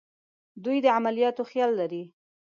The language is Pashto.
دوی د عملیاتو خیال لري.